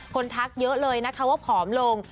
ทักเยอะเลยนะคะว่าผอมลง